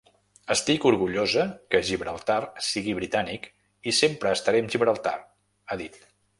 Estic orgullosa que Gibraltar sigui britànic i sempre estaré amb Gibraltar, ha dit.